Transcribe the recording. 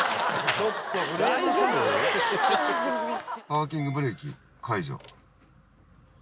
パーキングブレーキ解除。